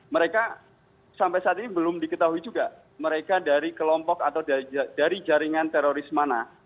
mereka sampai saat ini belum diketahui juga mereka dari kelompok atau dari jaringan teroris mana